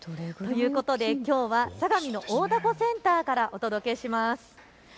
きょうは相模大凧センターからお届けします。